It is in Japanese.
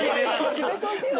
決めといてよ。